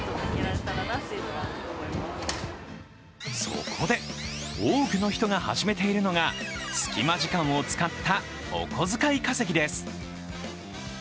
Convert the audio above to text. そこで多くの人が始めているのが隙間時間を使ったお小遣い稼ぎです。